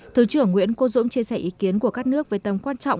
thứ trưởng nguyễn quốc dũng chia sẻ ý kiến của các nước với tâm quan trọng